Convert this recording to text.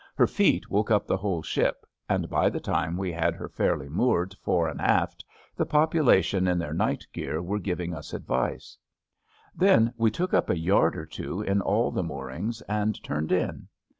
Her feet woke up the whole ship, and by the time we had her fairly moored fore and aft the population in their night gear were giving us advice. Then we took up a yard or two in all the moorings and turned in.